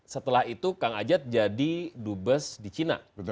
setelah itu kang ajat jadi dubes di cina